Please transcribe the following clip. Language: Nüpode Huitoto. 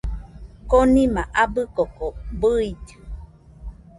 Konima abɨ koko bɨillɨ